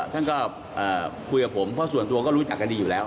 ซึ่งก็พูดกับผมว่าน่าส่วนตัวก็รู้จักกันดีอยู่แล้ว